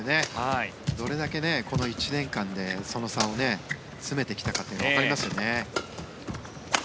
どれだけこの１年間でその差を詰めてきたかというのがわかりますよね。